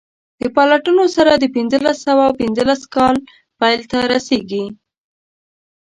د پلټنو سر د پنځلس سوه پنځلس کال پیل ته رسیږي.